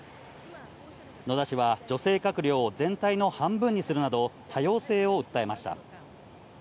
野田氏は、女性閣僚を全体の半分にするなど、多様性を訴えました。